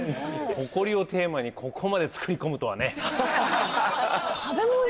ホコリをテーマにここまで作り込むとはね。